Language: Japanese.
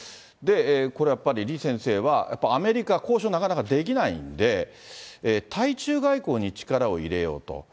これ、やっぱり李先生は、やっぱりアメリカ、交渉、なかなかできないんで、対中外交に力を入れようと。